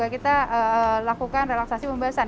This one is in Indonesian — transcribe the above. kita lakukan relaksasi pembahasan